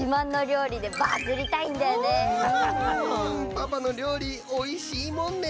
パパのりょうりおいしいもんね！